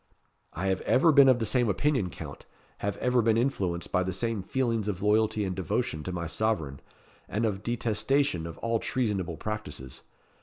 "I have ever been of the same opinion, Count; have ever been influenced by the same feelings of loyalty and devotion to my sovereign, and of detestation of all treasonable practices.